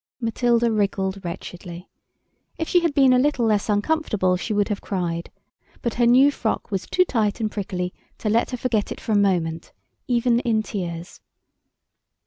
Matilda wriggled wretchedly. If she had been a little less uncomfortable she would have cried, but her new frock was too tight and prickly to let her forget it for a moment, even in tears.